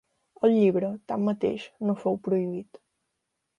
El llibre, tanmateix, no fou prohibit.